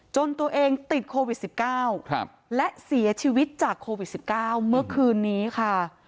จนตัวเองติดโควิด๑๙และเสียชีวิตจากโควิด๑๙เมื่อคืนนี้ค่ะ